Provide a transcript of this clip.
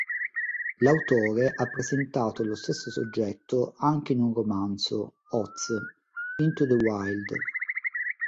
L'autore ha presentato lo stesso soggetto anche in un romanzo, Oz: Into the Wild.